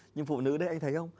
nhưng phụ nữ đấy anh thấy không